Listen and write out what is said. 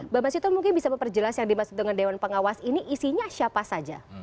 bang mas itu mungkin bisa memperjelas yang dimaksud dengan dewan pengawas ini isinya siapa saja